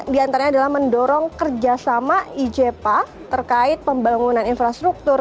di antaranya adalah mendorong kerjasama ijpa terkait pembangunan infrastruktur